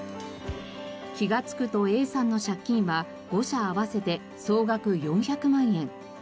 気がつくとＡさんの借金は５社合わせて総額４００万円。